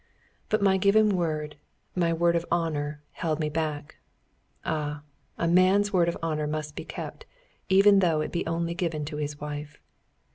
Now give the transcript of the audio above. But my given word, my word of honour, held me back. Ah! a man's word of honour must be kept, even though it be only given to his wife.